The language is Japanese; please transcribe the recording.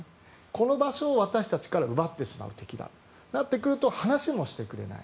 この場所を私たちから奪ってくる敵だとなってしまうと話もしてくれない。